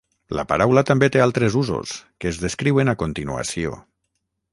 La paraula també té altres usos, que es descriuen a continuació.